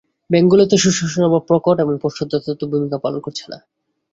ব্যাংকগুলোতে সুশাসনের অভাব প্রকট এবং পর্ষদ যথাযথ ভূমিকা পালন করছে না।